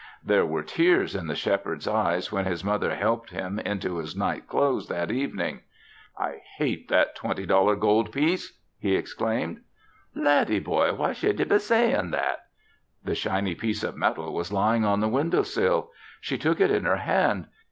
There were tears in the Shepherd's eyes when his mother helped him into his night clothes that evening. "I hate that twenty dollar gold piece!" he exclaimed. "Laddie boy! Why should ye be sayin' that?" The shiny piece of metal was lying on the window sill. She took it in her hand.